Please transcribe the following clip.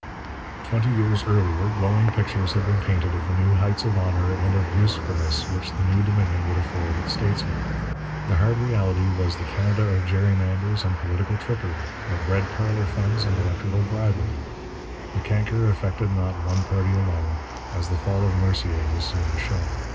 Twenty years earlier glowing pictures had been painted of the new heights of honour and of usefulness which the new Dominion would afford its statesmen. The hard reality was the Canada of gerrymanders and political trickery, of Red Parlor funds and electoral bribery. The canker affected not one party alone, as the fall of Mercier was soon to show.